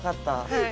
はい。